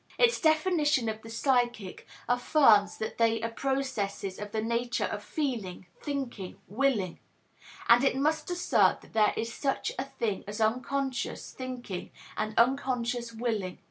Its definition of the psychic affirms that they are processes of the nature of feeling, thinking, willing; and it must assert that there is such a thing as unconscious thinking and unconscious willing.